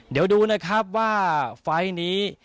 เดี๋ยวดูนะครับว่าไฟล์นี้